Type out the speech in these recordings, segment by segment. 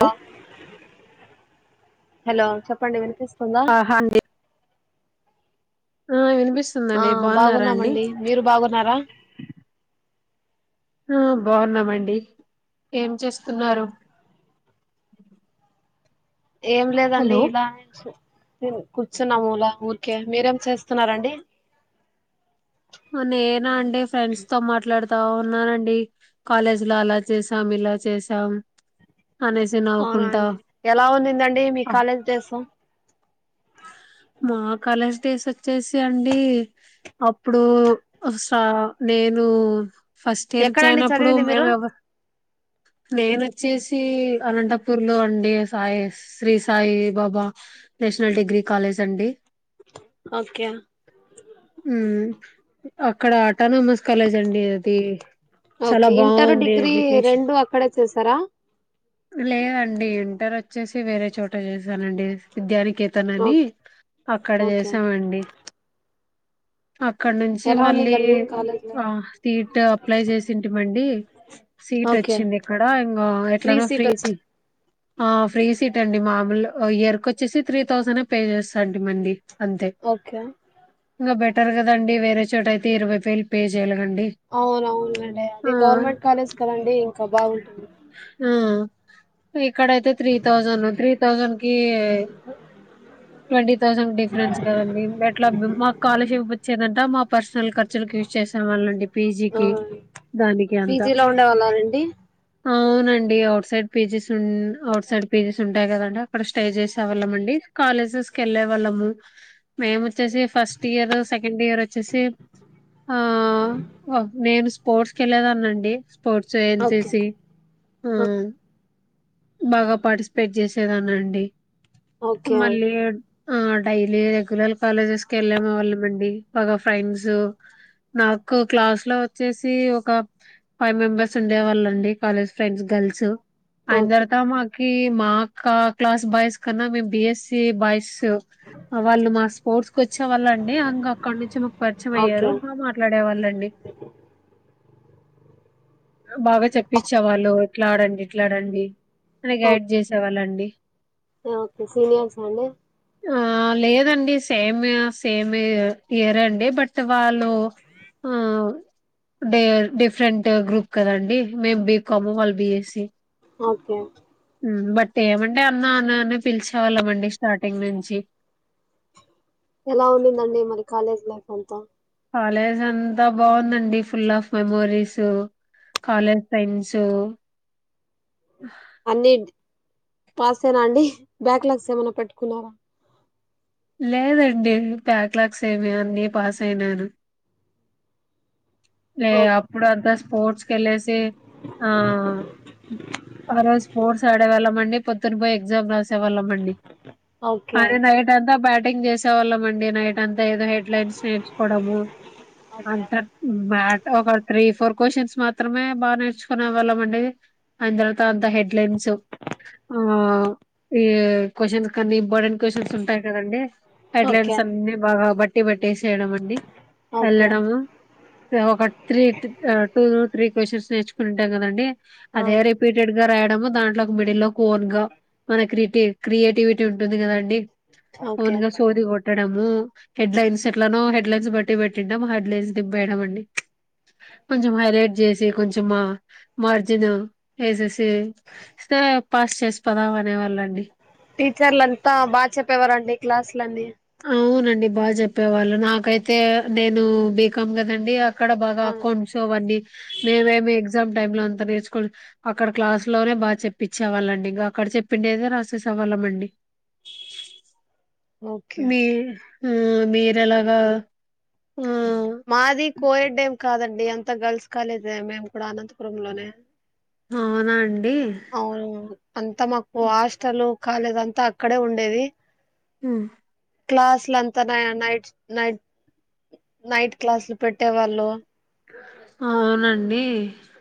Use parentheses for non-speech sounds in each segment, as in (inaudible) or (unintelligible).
లో హలో చెప్పండి వినిపిస్త ఆహా అండి ఆ విన్ ఆ బాగున్నామండి మీరు బాగున్నారా ఆ బాగున్నామండి ఏం చేస్తున్నారు ఏం లేదండి హలో ఇలా నిల్చున్ కూర్చున్నా మూలా ఊరికే మీరేం చేస్తున్నారండి నేనా అండి ఫ్రెండ్స్ తో మాట్లాడుత్ తా ఉన్నానండి కాలేజ్ లో అలా చేసాం ఇలా చేసాం అనేసి నవ్వుకుంటా అవునాండి ఎలా ఉనిందండీ మీ కాలేజ డేసు మా కాలేజ్ డేస్ వచ్చేసి అండి అప్పుడు సా నేను ఫస్ట్ ఇయర్ ఎక్కడండి జాయిన్నప్పుడు చదివింది మేము మీరు ఎవరు నేను వచ్చేసి అనంతపూర్ లో అండి Sai Shri Sai Baba national degree college అండి ఓకే ఉమ్ అక్కడ అటానమస్ కాలేజ్ అండి అది చాలా ఓకే ఇంటర్ బాగుంది డిగ్రీ ఎడ్యుకేషన్ రెండు అక్కడే చేసారా లేదండి ఇంటర్ వచ్చేసి వేరే చోట చేసానండి విద్యానిక్ అతనని ఓకే అక్కడ ఓకే చేసాంమండి అక్కడ నుంచి ఎలా మళ్ళీ ఉన్నిందండి కాలేజ్ ఆ లైఫ్? సీట్ అప్లై చేసింటీమండి సీట్ ఓకే వచ్చింది ఇక్కడ ఇంకా ఎట్లానో ఫ్రీ సీట్ ఆ ఫ్రీ సీట్ అండి మామూల్ ఓ ఇయర్కోచేసి తీ థౌసండ్ పే చేస్తాండి మండి అంతే ఓకే ఇక బట్ ఉంటారు కదండి వేరే చోట అయితే ఇరవై వేలు పే చేయాల అవునవునండి అది గవర్నమెంట్ కాలేజ్ కదండి ఇంకా బాగుంటుంది ఇక్కడ అయితే త్రీ తౌసండ్ త్రీ థౌజండ్ ఈ మడి థౌసండ్ డిఫరెన్స్ కదండి ఎట్లా మాకు కాలర్షిప్ వచ్చేదంటా మా పర్సనల్ ఖర్చులకు యూజ్ చేసే వాళ్ళండి పీజీకి దానికి అంతా పీజీలో ఉండేవాళ్ళ రండి అవునండి outside PGs outside PGs ఉంటాయి కదండి అక్కడ స్టే చేసేవాళ్ళంమండి కాలేజెస్ కి వెళ్ళే వాళ్ళము మేము వచ్చేసి ఫస్ట్ ఇయర్ స సెకండ్ ఇయర్ వచ్చేసి ఆ నేను స్పోర్ట్స్ కి వెళ్ళేదాన్నండి sports N C okay C ఆ బాగా పార్టిసిపేట్ చేసేదానండి ఓకే మళ్లీ ఆ డైలీ రెగ్యులర్ కాలేజ్ స్ కి వెళ్ళలేమ వాళ్ళం అండి ఒక ఫ్రెండ్స్ నాకు క్లాస్ లో వచ్చేసి ఒక ఫైవ్ మెంబెర్స్ ఉండే వాళ్ళ అండి కాలేజ్ ఫ్రెండ్స్ గర్ల్ ఓకే అందరితో మాకు కీ మా అక్క క్లాస్ బాయ్స్ కన్నా మా బిఎస్ బి ఎస్ బాయ్స్ వాళ్ళు మా స్పోర్ట్స్ కి వచ్చే వాళ్ళు అండి మాకు అక్కడ నుంచి మాకు పరిచయం అయ్యారు ఓకే బాగా మాట్లాడే వాళ్ళండి. బాగా చెప్పిచ్చే వాళ్ళు ఇట్లా ఆడండి ఇట్లా ఆడండి బానే గైడ్ ఓకే చేసేవాళ్ళండి ఓకే సీనియర్స్ అండి ఆ లేదండి సేమ్ సేమ్ ఇయర్ అండి బట్ వాళ్ళు డిఫరెంట్ గ్రూప్ కాదండి మేము బీకాము వాళ్ళ బి ఏసి ఓకే బట్ ఏమంటే అన్న అన్న అన్న పిలిచి చాలమండి స్టార్టింగ్ నుంచి ఎలా ఉన్నది మరి కాలేజ్ లైఫ్ అంత కాలేజ్ అంతా బాగుందండి full of memories college friends. అన్ని. పాసే నా అండి బ్యాక్ లాగ్స్ ఏమైనా పెట్టుకున్నారా. లేదండి బ్యాక్ లాగ్స్ ఏమి అన్నీ పాస్ అయినాను. ఏ ఓ అప్పుడు అడ్రస్ స్పోర్ట్స్ ఎల్లేసి ఆ ఆ రోజు స్పోర్ట్స్ ఆడేవాళ్ళం అండి. పొద్దున్న పోయి ఎక్సమ్ రాసి. వాళ్ళమండి ఓకే అనీ నైట్ అంతా బ్యాట్. టింగ్ చేసేవాళ్ళం అండి నైట్ అంత. ఏదో హెడ్లైన్స్ నేర్చుకోవడము ఓకే అంత. ఒక త్రీ ఫోర్ క్వశ్చన్స్ మాత్రమే బాగా నేర్చుకునే వాళ్ళం అండి ఆయన తర్వాత అంత హెడ్లైన్స్ ఆ ఈ క్వశ్చన్స్ అన్ని ఇంపార్టెంట్ క్వ్చన్స్ ఉంటాయి కాదండి. ఓకే హెడ్లైన్స్ అన్ని బాగా బట్టి పట్టి పెట్టేసయడం అండి ఓకే వెళ్ళడము. ఓ cut three two three questions న్స్ నేర్చుకోని ఉంటాం కదా అండి. ఆ అదే రిపీటెడ్ గా రాయడము దాంట్లో ఒక మిడిల్ లో కోఓన్ గా మన క్రిటి క్రియేటివిటీ ఉంటుంది కదాండి. ఓకే అవున్గా సోది కొట్ట హెడ్లైన్స్ ఎట్లానో హెడ్లైన్స్ బట్టి పెట్టి హెడ్లైన్స్ రా యండి కొంచెం హైలైట్ చేసి కొంచెం మార్జిన్ వేే స (unintelligible) పాస్ చేసి పోదాం అనేవాళ్ళండి టీచర్లు అంతా బాగా చెప్పేవారంండి క్లాసులన్నీ అవునండి బాగా చెప్పేవాళ్ళు నాకైతే నేను బీకామ్ కదండి ఇక్కడ బాగా ఆ అకౌంట్స్ అవన్నీ మేమేమి ఎగ్జామ్ టైమ్ లో అంత నేర్చుకో అక్కడ క్లాస్ లోనే బాగా చెప్పచ్చేవాళ్ళండి ఇంకా అక్కడ చెప్పిండేదే రాసేసే వాళ్ళం అండి ఓకే మీ ఆ మీరేలాగా ఆ మాది కోయడ్ డేమ్ కాదండి అంత గర్ల్స్ కాలేజే మేము కూడా అనంతపుర లోనే అవునండి అవును అంత మాకు హాస్టలు కాలేదు అంతా అక్కడే ఉండేది హ క్లాసులు అంతా నైట్ నైట్ నైట్ క్లాసులు పెట్టేవాళ్ళు అవునండి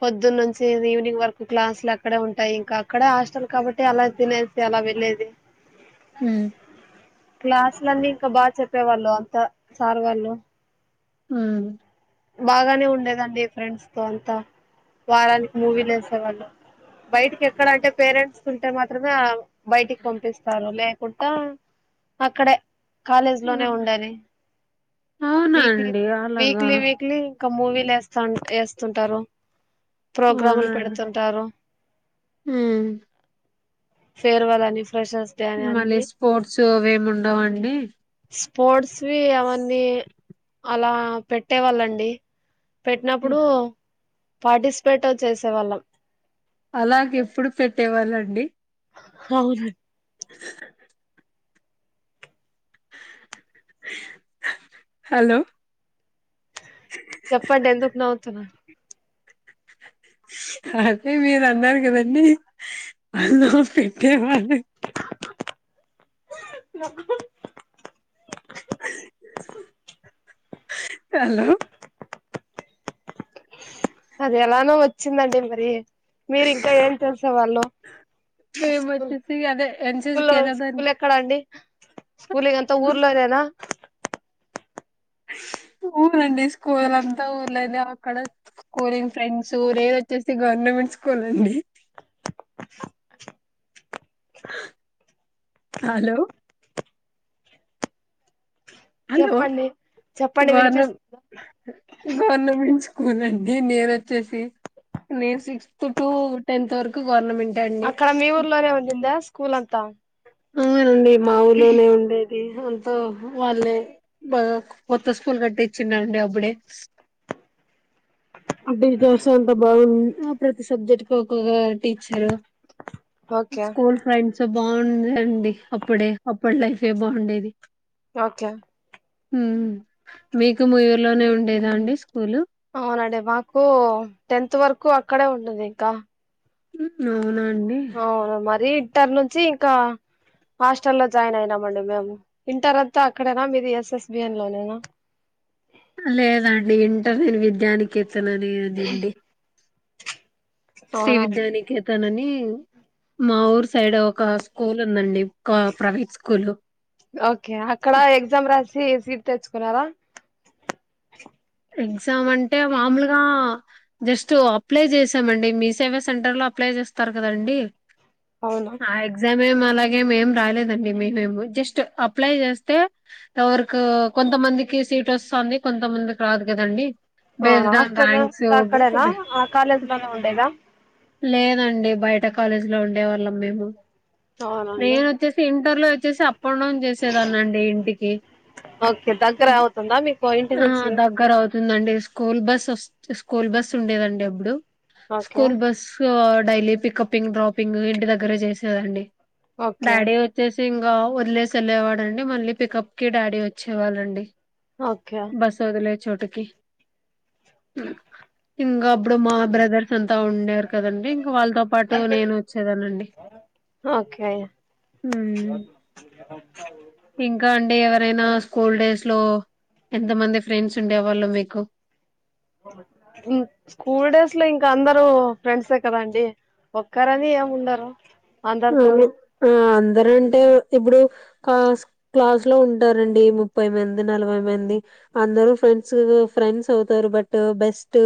పొద్దున్న నుంచి ఈవినింగ్ వర్క్ క్లాసులు అక్కడే ఉంటాయి ఇంకా అక్కడే హాస్టల్ కాబట్టి అలా తినేది అలా వెళ్లేేది హ క్లాస్లన్నీ ఇంకా బాగా చెప్పేవాళ్ళు అంత సార్ వాళ్ళు ఆ బాగానే ఉండేదండి ఫ్రెండ్స్ తో అంతా వారానికి మూవీలు వేసేవాళ్ళు బయటికి ఎక్కడ అంటే పేరెంట్స్ ఉంటే మాత్రమే ఆ బయటికి పంపిస్తారు లే పుట్ట అక్కడే కాలేజ్ న లోనే ఉండాలి అవునా వీక్లీ అండి అలాగా వీక్లీ వీక్లీ ఇంకా మూవీలు ఎస్తా ఎస్తుంటారు ప్రోగ్రాములు పెడుతుంటారు హు ఫెర్వల్ అని ఫ్రెషర్స్ డే అని మళ్ళీ అన్ని స్పోర్ట్స్ అవేమి ఉండవండి స్పోడ్స్ వి అవన్నీ అలా పెట్టేవాళ్ళం డి పెట్టినప్పుడు పార్టిస్పేట్ చేసే వాళ్ళం అలాగేప్పుడు పెట్టేవాళ్ళండి అవున్నన్ (inaudible) హలో చెప్పండి ఎందుకు నవ్వుతున్నా అదే మీరు అన్నారు కదండీ అందు పెట్టేవారని (unintelligible) హలో అది ఎలానో వచ్చిందండి మరి మీరు ఇంకా ఏం చేసేవాళ్ళు మేము స్కూల్ వచ్చేసి అదే ఎన్సిసి స్కూల్ కెళ్ళేదాన్ని స్కూల్ ఎక్కడా అండి స్కూలింగ్ అంతా ఊర్లోనేనా ఊరండి స్కూల్ అంతా ఊర్లోనే అక్కడ స్కూలింగ్ ఫ్రెండ్స్ నీనోచ్చేసి గవర్నమెంట్ స్కూల్ అండి హలో హలో చెప్పండి చెప్పండి గవర్న వినిపిస్తుందా గవర్నమెంట్ స్కూల్ అండి నేను వచ్చేసి నేను సిక్స్త్ టు టెన్త్ వరకు గవర్నమెం అక్కడ మీ ఊర్లోనే ఉందిందా స్కూలంత మాఊలోనే ఉండే ది అంత వాళ్ళే బాగా కొత్త స్కూల్ కట్టిచ్చిదండి అప్పుడే ప్రతి సబ్జెక్ట్కి ఒకొక్క టీచరు ఓకే స్కూల్ ఫ్రెండ్స్ బాగుందండి అప్పుడే అప్పడి లైఫే బాగుండేది ఓకే హు మీకు ఊర్లోనే ఉండేదా అండి స్కూలు అవునండి మాకు టెన్త్ వరకు అక్కడే ఉంటది ఇంకా ఉ అవునా అండి అవును మరి ఇంటర్ నుంచి ఇంకా హాస్టల్ లో జాయిన్ అయినామండి మేము ఇంటర్ అంతా అక్కడేనా మీది ఎస్ఎస్బిన్ లోనేనా లేదండి ఇంటర్ నేను విద్యానికి స్తుననేదండి శ్రీ అవునా విద్యానికేతనని మా ఊరి సైడో ఒక స్కూల్ ఉందండి ఒక ప్రైవేట్ స్కూలు ఓకే అక్కడ ఎగ్జామ్ రాస్త ఫ్రీ సీట్ తేచ్చుకున్నారా ఎగ్జామ్ అంటే మామూలుగా జస్ట్ అప్లై చేసామండి మీ సేవా సెంటర్ లో అప్లై చేస్తారు కదండి అవునా ఆ ఎక్సమ్ మే అలాగే మేం రాలేదండి మేమ్ జస్ట్ అప్లై చేస్తే వరకు కొంతమందికి సీట్ వస్తాన్ది కొంతమంది రాదు కదండి అవునా బేస్డ్ ఆ హాస్టల్లో ర్యాంక్స్ అక్కడేనా ఆ కాలేజ్ లోనే ఉండేదా లేదండి బయట కాలేజ్ లో ఉండే వాళ్ళం మేము అవునండి నేన వచ్చేసి ఇంటర్లో వచ్చేసి అప్ అండ్ డౌన్ చేసేదాన్ని అండి ఇంటికి ఓకే దగ్గర అవుతుందా మీకు ఇంటి ఆ నుంచి దగ అవుతుందండి స్కూల్ బస్ వ స్కూల్ బస్ ఉండేదండి అప్పుడు ఓకే స్కూల్ బస్ డైలీ పికప్పింగ్ డ్రాపింగ్ ఇంటి దగ్గరే చేసే వారండీ ఓకే డాడీ వచ్చేసి ఇంగా వదిలేసి వెళ్ళేవాడండి మళ్ళీ పికప్ కి డాడీ వచ్చేవాళ్ళండి ఓకే బస్ వదిలే చోటుకి హ్మ్ ఇంకా అప్పుడు మా బ్రదర్స్ అంతా ఉండారు కదండి ఇంకా వాళ్ళతో పాటు నేను వచ్చేదానండి ఓకే హ్మ్ ఇంకా అండి ఎ రేనాష్ స్కూల్ డేస్ లో ఎంతమంది ఫ్రెండ్స్ ఉండేవాళ్ళు మీకు స్కూల్ డేస్ లో ఇంకా అందరు ఫ్రెండ్సే కదండి ఒక్కరని ఏమి ఉండరు అందరితోనూ (unintelligible) అందరు అంటే ఇప్పుడు ఆ క్లాస్ లో ఉంటారండి ముప్పై మంది నలభై మంది అందరు ఫ్రెండ్స్ ఫ్రెండ్స్ అవుతారు బట్ బెస్ట్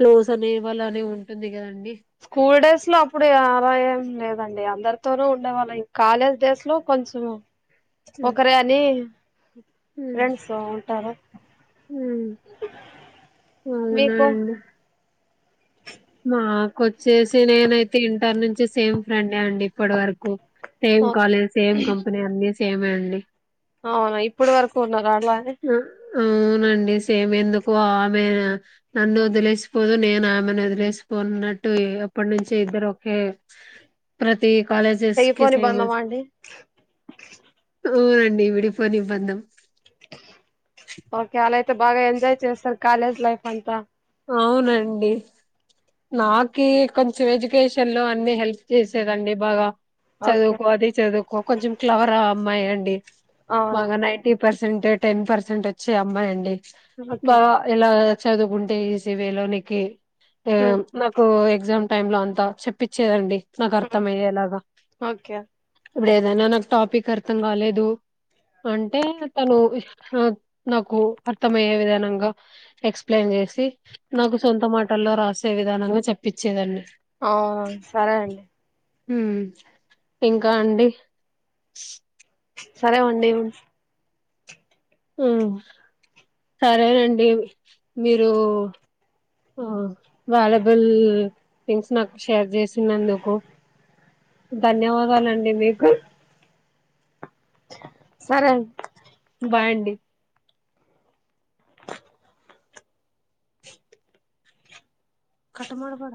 క్లోజ్ అనే వాళ్ళ అనే ఉంటుంది కదండి స్కూల్ డేస్ లో అప్పుడు ఆరాయం లేదండి అందరితోనూ ఉండేవాళ్లే కాలేజ్ డేస్ లో కొంచము ఒకరే అని ఫ్రెండ్స్ ఉంటారు మీకు అవునండి కోచ్చేసి నేనైతే ఇంటర్ నుంచి సేమ్ ఫ్రెండ్ నే అండి ఇప్పటి వరకు same okay college same company అనేస్ ఏమే అండి అవునా ఇప్పుడు వరకు ఉన్న గాట్ నా అవునండిస్ సేమ్ ఎందుకు ఆమె నన్ను వదిలేసిపోదు నేను ఆమెను వదిలేసిపోన్నట్టు ఎప్పటి నుంచి ఇద్దరు ఒకే ప్రతి కాలేజెస్ కి చెయిపోని సేమ్ బందమా అండి ఓనండి విడిపో నిబంధం ఓ క్యాలేట్ అంతే బాగా ఎంజాయ్ చేస్తారు కాలేజ్ లైఫ్ అంతా అవునండి నాకి కొంచెం ఎడ్యుకేషన్ లో అన్ని హెల్ప్ చేసేదండి బాగా ఓకే చదువుకో అది చదువుకో కొంచెం క్లేవరా అమ్మాయి అండి అవునా బాగా ninety percent ten percent వచ్చే అమ్మాయి అండి బా ఓకే ఎలాగ చదువుకున్ ఏసీ వేలో నికి ఆ మాకు ఎగ్జామ్ టైమ్ లో అంతా చెప్పచ్చేదండి నాకు ఓకే అర్ధమయ్యే లాగా ఓకే ఇప్పుడు ఏదైనా నాకు టాపిక్ అర్థం గాలేదు అంటే తను నాకు అర్థంమయ్యే విధనంగా ఎక్సప్లయిన్ చేస్ తి నాకు సొంత మాటల్లో రాస్ సే విధానంగా చెప్పించేదండి ఆ సరే అండి ఉ ఇంకా అండి సరే వండి ఉన్ హు సరేనండి మీరు ఆ వేలబుల్ థింగ్స్ నాకు షేర్ జెస్ చినందుకు ధన్యవాదాలండి మీకు సరే అండ్ బాయ్ అండి కట్టమడ బడ